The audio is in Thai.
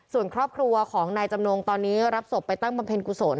ส่วนครอบครัวของในจำนงตอนนี้รับสมบไปตั้งประเภนครูศน